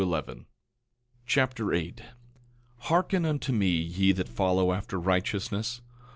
2 Nephi Chapter 8 8:1 Hearken unto me, ye that follow after righteousness.